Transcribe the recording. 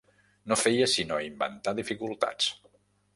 No feia sinó inventar dificultats.